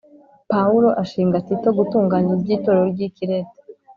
Pawulo ashinga Tito gutunganya iby’Itorero ry’i Kirete